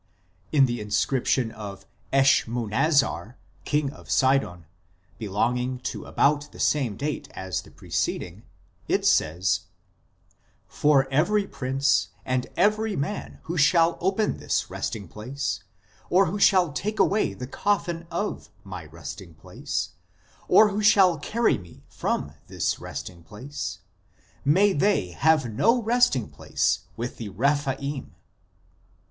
In the inscription of Eshmunazar, King of Sidon, belonging to about the same date as the preceding, it says :" For every prince and every man who shall open this resting place, or who shall take away the coffin of my resting place, or who shall carry me from this resting place, may they have no resting place with the Rephaim.